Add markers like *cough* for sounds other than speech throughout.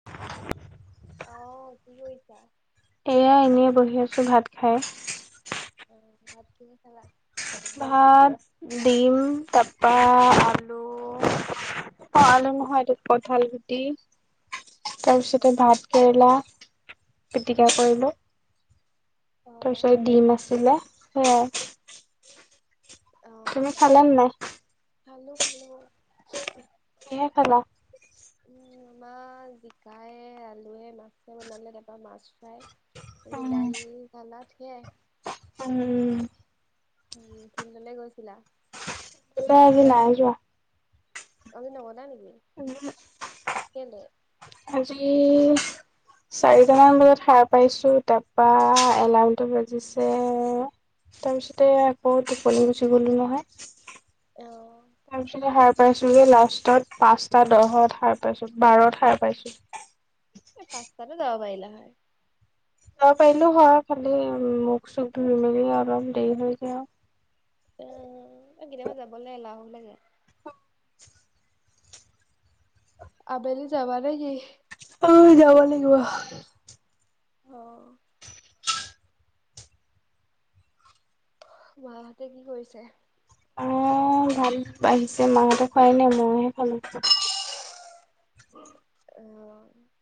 *inaudible* অ', কি কৰিছা? এয়া এনেই বহি আছো ভাত খাই। অ', ভাত কিহে খালা? ভাত দিম, তাপা আলু অ', আলু অ', নহয় এইটো কঠাল গুটি, তাৰপিছতে ভাত কেৰেলা, পিটিকা কৰিলোঁ, তাৰপিছত দিম আ আছিলে সেইয়াই। তুমি অ', খালা নে নাই? খালো খালো। কিহে খালা? উম, আমাৰ জিকাই আলুৱে মাছে বনালে, তাৰপৰা মাছ ফ্ৰাই। বিলাহী চালাদ সেয়াই। উম উম। উম ফিল্ডলে গৈছিলা? ফিল্ডত আজি নাই যোৱা। আজি নগলা নেকি? উহো কেলে আজি চাৰিটামান বজাত সাৰ পাইছোঁ তাৰপা এলাৰ্মটো বজিছে তাৰপিছতে আকৌ টোপনি গুচি গ'লো নহয়। অ। তাৰ পিছতে সাৰ পাইছোগে লাষ্টত পাঁচটা দহত সাৰ পাইছো, বাৰত সাৰ পাইছো। এ পাঁচতাটো যাব পাৰিলা হয়। যাব পাৰিলো হয় খালি উ মুখ চুখ ধুই মেলি অলপ দেৰি হৈ যায় আৰু। অ এ কেতিয়াবা যাবলৈ এলাহো লাগে। আবেলি যাবা নেকি? অ যাব লাগিব। অঁ। মাঁহতে কি কৰিছে? অ ভাত বাঢ়িছে মাহঁতে খোৱাই নাই মইহে খালো। অ।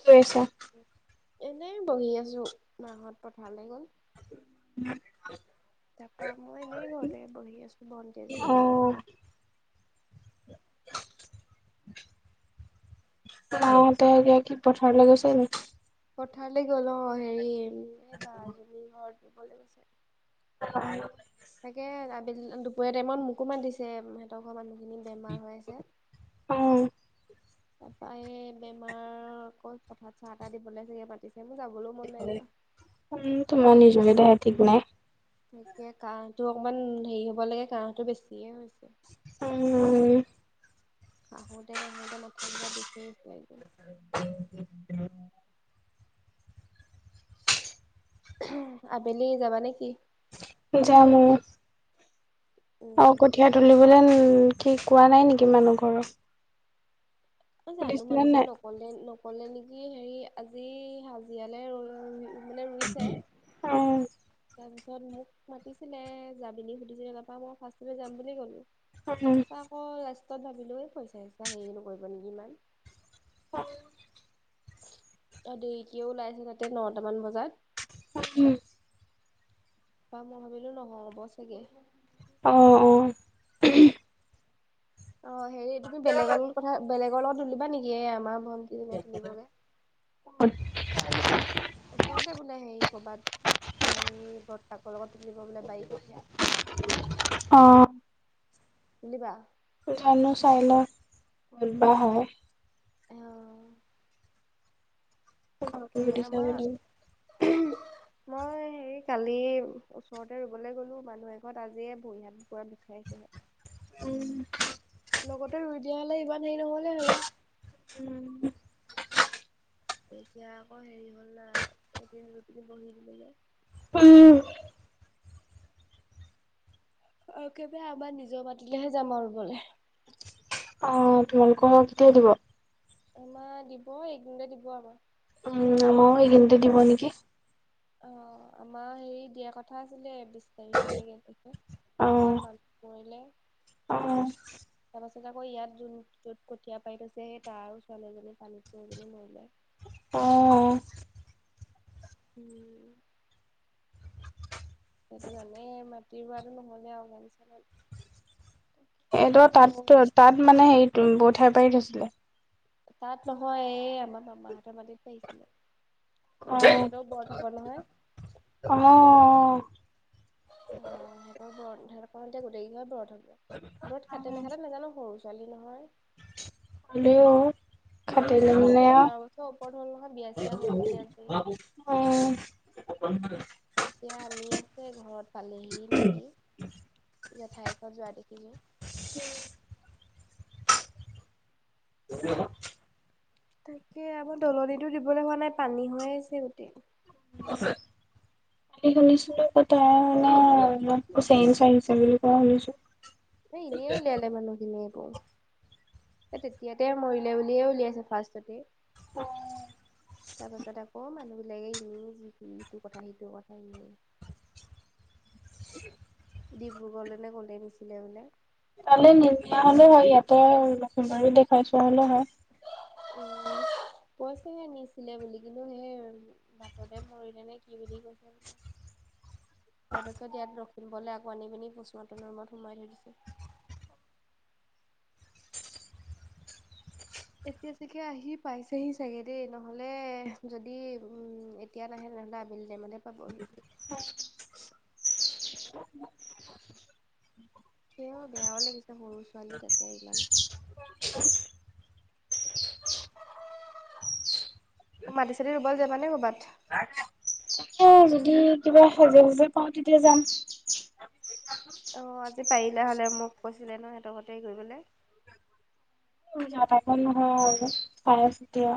কি কৰিছা? এনেই বহি আছো মাঁহত পথাৰলৈ গ'ল। *unintelligible* তাৰপৰা মই এনেই ঘৰতে বহি আছোঁ, ভণ্টি এজনী আছে। অ' অ তেওঁলোকে কি পথাৰলৈ গৈছে নি? পথাৰলৈ গ'ল অ হেৰি এই বা এজনী ঘৰত ৰুবলৈ গৈছে। *unintelligible* তাকে আবেলি দুপৰীয়া টাইমত মোকো মাতিছে ঘৰৰ মানুহখিনি বেমাৰ হৈ আছে। অ' তাৰাপা সেই বেমাৰ আকৌ পথাৰত চাহ তাহ দিবলৈ চাগে মাতিছে মোৰ যাবলৈ মন নাই যোৱা। উম তোমাৰ নিজৰে *unintelligible* ঠিক নাই। *unintelligible* কাহটো অকমান হেৰি হ'ব লাগে কাহটো বেছিয়ে হৈছে। উম। কাহোতে কাহোতে মাথা চাথা বিষ হৈ গৈছে একদম। *unintelligible* আবেলি যাবা নে কি? যাম অ। অ উম কঠীয়া তুলিবলৈ কি কোৱা নাই নেকি মানুহ ঘৰক? অ জানো সুধিছিলে মানুহে নাই? নকলে নকলে নেকি হেৰি আজি হাজিৰালৈ ৰ মানে ৰুইছে। অ' তাৰপিছত মোক মাতিছিলে যাবিনি সুধিছিলে তাৰপা মই ফাৰ্ষ্টটে যাম বুলি কলো। উম, তাৰপা আকৌ লাষ্টত ভাবিলো এই পইচা চইচা হেৰি নকৰিব নেকি ইমান। *unintelligible* অঁ দেৰিকেও ওলাইছে তাতে নটামান বজাত। উম। বা মই ভাবিলো নহ'ব চাগে। অ' অ'। অ হেৰি, তুমি বেলেগৰ লগত কঠিয়া বেলেগৰ লগত তুলিবা নেকি এ আমাৰ ভণ্টিজনীয়ে তুলিবগে। ওচৰতে বোলে হেৰি ক'ৰবাত সেই বৰতাকৰ লগত তুলিব বোলে *unintelligible* অ। তুলিবা? চাই লওঁ, ক'তবা হয়। অ ঘৰকো তাকে সুধি চাব আমাৰ, লাগিব। মই হেৰি কালি, ওচৰতে ৰুবলৈ গ'লো মানুহ এঘৰত, আজিয়ে ভৰি-হাতবোৰ পুৰা বিষাইছে। উম লগতে ৰুই দিয়া হ'লে ইমান হেৰি নহ'লে হ'লে। উম এতিয়া আকৌ হেৰি হ'ল না, এদিন দুদিন বহি দিলো যে। *unintelligible* একেবাৰে আমাৰ নিজৰ মাটিলেহে যাম আৰু ৰুবলে। অ, তোমালোকৰ কেতিয়া দিব? আমাৰ দিব, এই কেইদিনতে দিব আমাৰ। উম, আমাৰো এই কেইদিনতে দিব নেকি। অ, আমাৰ হেৰি দিয়া কথা আছিলে, বিছ তাৰিখে নে কেই তাৰিখে তাৰপা অ', মানু্হ মৰিলে। অ', তাৰপাছত আকৌ ইয়াত যোন য'ত কঠীয়া পাৰি থৈছে, সেই তাৰো ছোৱালী এজনী পানীত পৰি পেনি মৰিলে। অ' উম সেইটো কাৰণে এই মাটি ৰুৱাটো নহ'লে আৰু *unintelligible* সেই ত তাত ত অ' তাত মানে হেৰি কঠীয়া পাৰি থৈছিলে। তাত নহয়, এই আমাৰ মামাহঁতৰ মাটিত পাৰিছিলে। সিহঁতৰো ব্ৰত হ'ব নহয়। অ অ। *unintelligible* গোটেই কেই ঘৰত ব্ৰত হ'ব খাতে নে নাখাতে নাজানো সৰু ছোৱালী নহয়। হ'লেও। খাটিলে থাকিব মানে চাগে বাৰ বছৰৰ ওপৰত হ'ল নহয় বিয়া চিয়া হৈ মেলি আজৰি। আৰু উম। এতিয়া আনি আছে ঘৰত পালেহি নিকি, জেঠাইয়েকক যোৱা দেখিলোঁ। *unintelligible* তাকে, আমাৰ দলনিটো দিবলৈ হোৱা নাই পানী হৈ আছে গোটেই। আছে। শুনিছিলো পথাৰলে অলপ চেঞ্জ আহিছে বুলি কোৱা শুনিছোঁ। হে এনে উলিয়ালে মানুহখিনিয়ে একো সেই তেতিয়াতে মৰিলেই বুলি উলিয়াইছে ফাৰ্ষ্টতে। তাৰপাছত আকৌ মানুহ এইবিলাকে এনে যি টি ইটো কথা সিটো কথা ইনে ডিব্ৰুগড়লে নে ক'লেই নিছিলে বোলে। তালে নিনিয়া হ'লেও হয়, ইয়াতে আৰু লখিমবাৰী দেখাই চোৱা হ'লেও হয়। উম। কৈছেহে নিছিলে বুলি, কিন্তু সেই বাটতে মৰিলেনে কি বুলি কৈছে। তাৰ পিছত ইয়াত লক্ষিমপুৰলৈ আকৌ আনি পিনি পোষ্টমৰ্টেমৰ ৰোমত সোমাই থৈছে। এতিয়া চাগে আহি পাইছেহি চাগে দেই নহ'লে যদি উম এ তিয়া *unintelligible* সিহঁতে আবেলি টাইমতহে পাবহি। *unintelligible* সেয়াও বেয়াও লাগিছে সৰু ছোৱালী তাতে ইমান। *inaudible* অ মাতিছে যে এবাৰ যাবানে ক'বাত। *unintelligible* এ যদি কিবা হেজেংকে পাওঁ তেতিয়া যাম। অঁ আজি পাৰিলে হ'লে মোক কৈছিলে ন সিহঁতৰ ঘৰতে গৈ বেলে। উ যা তা কাম নহয় আই এছ এতিয়া।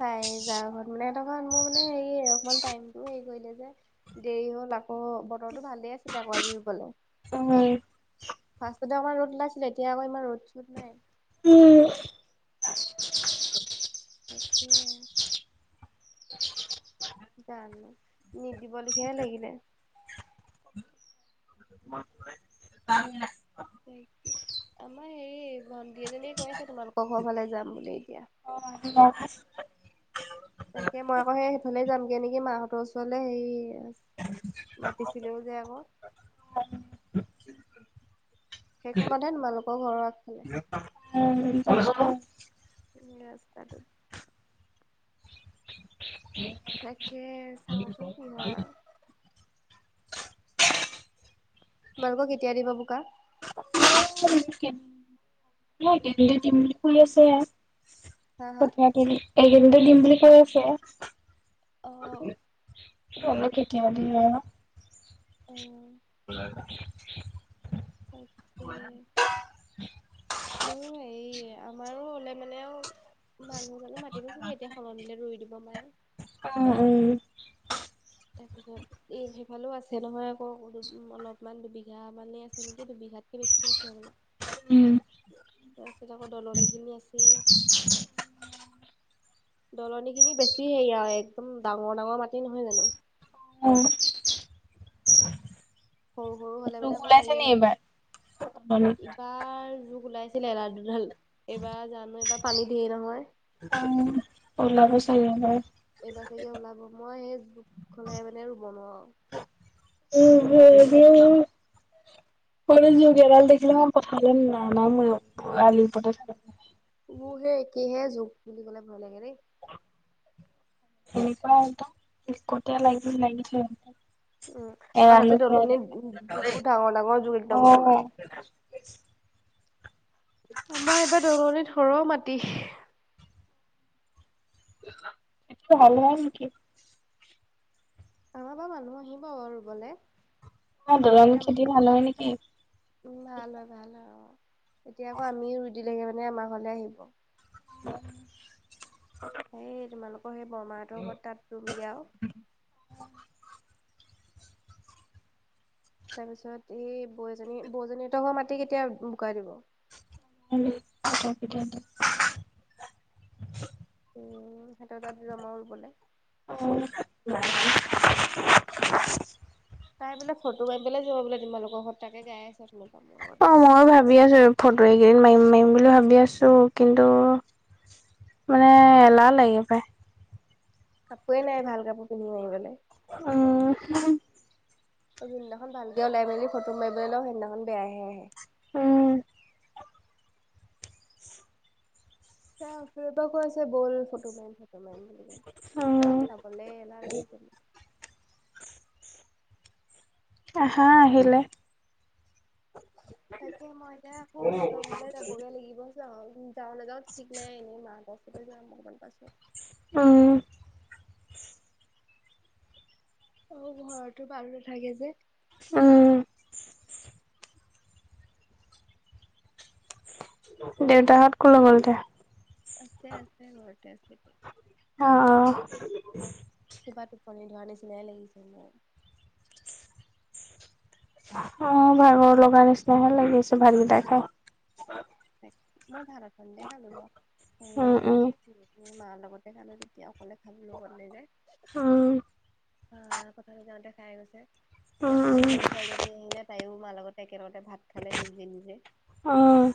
চাই যা ঘৰত মানে *unintelligible* মোৰ মানে হেৰি অকমান টাইমটো হেৰি কৰিলে যে। দেৰি হ'ল আকৌ বতৰটো ভালেই আছিলে আকৌ আজি ৰুবলে। অ হয়। ফাৰ্ষ্টতে আমাৰ ৰ'দ ওলাইছিল এতিয়া আমাৰ ইমান ৰ'দ - চ'দ নাই। উম। তাকে। জানোঁ নিদিব নিকিহে লাগিলে। *unintelligible* তাই কি, আমাৰ হেৰি ভন্টি এজনীয়ে কৈ আছে তোমালোকৰ ঘৰ ফালে যাম বুলি এতিয়া। অ আহিবা *unintelligible* তাকে মই আকৌ সেই সেইফালে যামগে নেকি মাহঁতৰ ওচৰলৈ হেই মাতিছিলেও যে আকৌ। সেইখনতে তোমালোকৰ ঘৰৰ আগফালে। *unintelligible* তাকে চাওঁচোন কি হয় আৰু? তোমালোকৰ কেতিয়া দিব বোকা? সেই *unintelligible* দিম বুলি কয় আছে, হা হা? কথাত এদি এদিনতে দিম বুলি কৈ আছে। অঁ। কি হ'ব কেতিয়াবা দিলে অ উম। *unintelligible* তাকে। মোৰোঁ এই আমাৰোঁ হ'লে মানেও মানুহ জানো মাতিব চাগে এতিয়া সলনিলে ৰুই দিব পাৰে। অ উম। তাৰপিছত এই সেইফালেও আছে নহয় আকৌ অলপ অলপমান দুবিঘা মানে আছে নেকি দুবিঘাতকে বেছি আছে হবলা। উম উম তাৰপিছত আকৌ দলনিখিনি আছেই। দলনিখিনি বেছি ইয়া একদম ডাঙৰ - ডাঙৰ মাটি নহয় জানোঁ। উম সৰু সৰু হ'লে লোক মানে অকমান ওলাইছে হেৰিয়ে নি লাগে, এইবাৰ ইবাৰ জুক ওলাইছ দিলে এডাল, দুডাল এইবাৰ জানোঁ এইবাৰ পানী ঢেৰ নহয়। *unintelligible* ওলাব চাৰিওফালে। এইবাৰ চাগে ওলাব মই এই জোক খুলে মানে ৰুব নোৱাৰোঁ। উম, হম। *unintelligible* *unintelligible* মোৰহে একেহে জুক বুলি ক'লে ভয় লাগে ৰে। এনেকুৱা একদম *unintelligible* উম, আৰু এৰালো তাতে এনেকে দলনিত যুক বোৰ ডাঙৰ, ডাঙৰ যুগ একদম পোৰা। এনে আছো। আমাৰ এইবাৰ দৰণিত সৰহ মাটি। *unintelligible* ভাল নহয় নেকি? আমাৰ বা মানুহ আহিব অ' ৰুবলে। অ' আকৌ দৰন এতিয়া খেতি ভাল নহয় নেকি? উম, ভাল হয়, ভাল হয় অ' এতিয়া আকৌ আমিয়ে ৰুই দিলেগে মানে আমাৰ ঘৰলে আহিব। *inaudible* এই তোমালোকৰ সেই বৰমাহঁতৰ ঘৰত তাত ৰুম গে আৰু। তাৰপিছত এই বৌএজনী বৌজনী হতৰ মাটি কেতিয়া বুকা দিব? *unintelligible* দিয়া। উম, সিহঁতৰ তাত ৰম আৰু ৰুবলে। অ' *unintelligible* তাই বোলে ফটো গাই পেলে যাব বোলে তোমালোকৰ ঘৰত তাকে গাই আছে অথনীৰ পৰা মূৰ অ', ময়ো আগত ভাবি *unintelligible* আছো ফটো এইকেইদিন মাৰিম, মাৰিম বুলি ভাবি আছোঁ কিন্তু মানে এলাহ লাগে পায়। কাপোৱে নাই ভাল কাপোৰ পিন্ধিবৰ কাৰনে। উম, *unintelligible* অ'যোনদিনাখন ভালকে ওলাই মেলি ফটো মাৰিবলৈ লওঁ সেইদিনাখন বেয়াহে আহে। উম, সেয়ে অথনীৰ পৰা কৈ আছে বল ফটো মাৰিম, ফটোমাৰিম বুলিকে। উম, যাবলে এলাহ লাগিছে আহা আহিলে। তাকে মই এতিয়া আকৌ সেহঁতৰ ঘৰলে যাবগে লাগিব যাওঁ, যাওঁ নাযাওঁ ঠিক নাই এনেই মা কছ এতিয়া যাম অকমান পাছত। উম, অ' ঘৰতো মানুহ থাকে যে। উম, দেউতাহত ক'লৈ গ'ল তে? আছে, আছে ঘৰতে আছে গে। অ' অহ। কিবা টোপনি ধৰা নিচিনাই লাগিছে মোৰ। অ' ভাগৰ লগাৰ নিচিনাহে লাগিছে ভাতকেইটা খাই। মই ভাতঅকন দে খালোঁ ৰ' হেৰী উম এইটো উম কি উম, মাৰ লগতে খালোঁ তেতিয়া অকলে খাবলৈ মন নেযায়। উম, আহ, পথাৰলে যাওঁতে খাই গৈছে উম তে পা খুুৰী ছোৱালীজনী আহিলে তাইয়ো মাৰ লগতে একেলগতে ভাত খালে নিজে, নিজে। অ',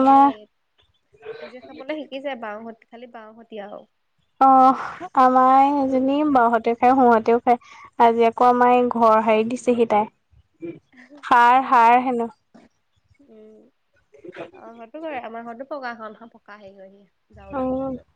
হেই, নিজে খাবলে শিকিছে, বাওঁ হতি, খালি বাওঁহতিয়া আৰু। অ', আমাৰ এজনী বাওহতে বাওঁ হতেও খায় সোঁহতেও খায়। আজি আকৌ আমাৰ এই ঘৰ সাৰি দিছেহি তাই, সাৰ সাৰ হেনো। উম, আমাৰ ঘৰ পকা- আমাৰ ঘৰটোও পকাঘৰ নহয় পকা হেৰি হৈহে। জাৰুদাল উম লৈ লৈ।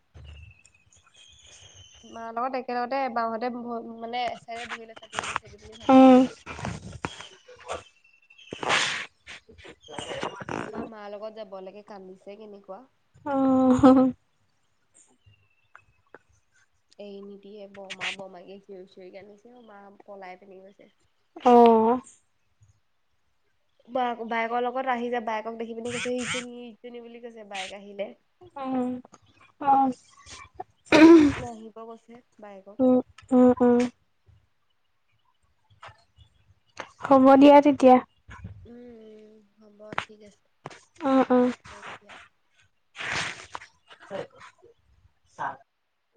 মাৰ লগত একেলগতে বাওঁ হাতে ব- মানে এচাইৰে বহি লৈছে নেমু চেপি পিনি ভাত খাইছে। *inaudible* তাপা মাৰ লগত যাব লাগে কান্দিছে কেনেকুৱা। অ'। এই নিদিয়ে, বৰমা বৰমাকে চিঞৰি, চিঞৰি কান্দিছে, মা পলাই পিনি গৈছে। অ'। ব- বায়েকৰ লগত আহি, বায়েক দেখি পিনি কৈছে, সেই জনি, এই জনি বুলি কৈছে বায়েক আহিলে। উম, অ'। নাহিব কৈছে বায়েকক। উম উম, উম। হ'ব দিয়া তেতিয়া। উম, উম, হ'ব ঠিক আছে, উম হ'ব উম দিয়া।